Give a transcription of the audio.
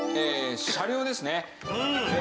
車両ですね。